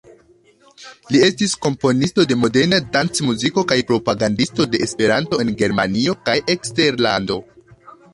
Li estis komponisto de moderna dancmuziko kaj propagandisto de Esperanto en Germanio kaj eksterlando.